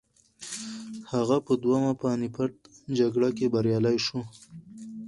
هغه په دویمه پاني پت جګړه کې بریالی شو.